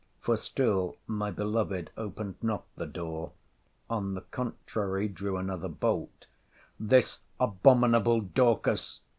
(for still my beloved opened not the door; on the contrary, drew another bolt,) This abominable Dorcas!